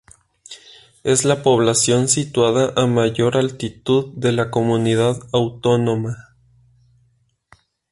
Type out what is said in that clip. Es la población situada a mayor altitud de la comunidad autónoma.